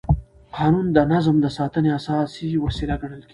قانون د نظم د ساتنې اساسي وسیله ګڼل کېږي.